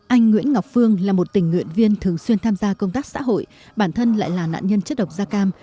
anh nguyễn ngọc phương là một tình nguyện viên thường xuyên tham gia công tác xã hội bản thân lại là nạn nhân chất độc da cam